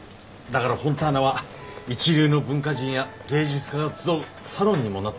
だからフォンターナは一流の文化人や芸術家が集うサロンにもなっています。